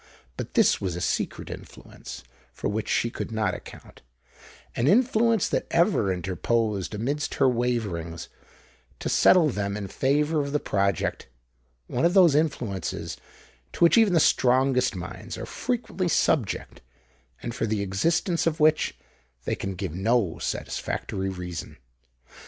But this was a secret influence for which she could not account,—an influence that ever interposed amidst her waverings, to settle them in favour of the project,—one of those influences to which even the strongest minds are frequently subject, and for the existence of which they can give no satisfactory reason.